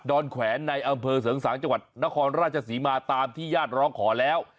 อนแขวนในอำเภอเสริงสางจังหวัดนครราชศรีมาตามที่ญาติร้องขอแล้ว